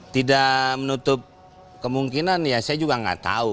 tidak menutup kemungkinan ya saya juga nggak tahu